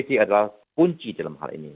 tentu apd adalah kunci dalam hal ini